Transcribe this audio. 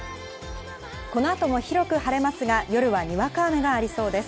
この後も広く晴れますが夜はにわか雨がありそうです。